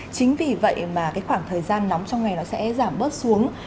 chính vì vậy mà cái khoảng thời gian nóng trong ngày nó sẽ giảm bớt xuống